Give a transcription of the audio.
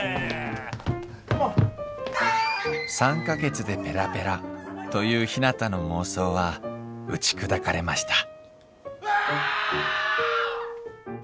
３か月でペラペラというひなたの妄想は打ち砕かれました・Ａｈｈｈｈｈｈ！